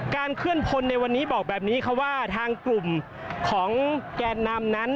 เคลื่อนพลในวันนี้บอกแบบนี้ค่ะว่าทางกลุ่มของแกนนำนั้น